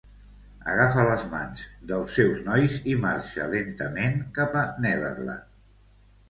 Agafa les mans dels seus nois i marxa lentament cap a Neverland.